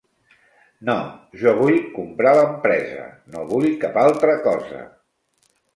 No, jo vull comprar l'empresa, no vull cap altra cosa.